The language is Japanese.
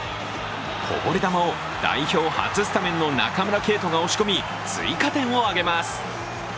こぼれ球を代表初スタメンの中村敬斗が押し込み、追加点を挙げます。